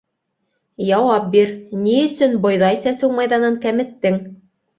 Яуап бир: ни өсөн бойҙай сәсеү майҙанын кәметтең?